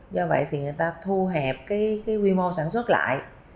do vậy thì người ta thu hẹp cái quy mô sản xuất lại